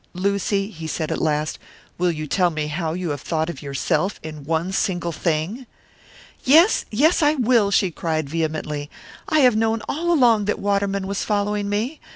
"Lucy," he said at last, "will you tell me how you have thought of yourself in one single thing?" "Yes, yes I will!" she cried, vehemently. "I have known all along that Waterman was following me.